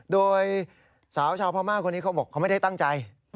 โดยสาวชาวพม่าคนนี้เขาบอกเขาไม่ได้ตั้งใจ